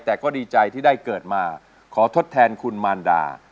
แต่ก็ดีใจที่ได้เกิดมาขอทดแทนคุณมารดา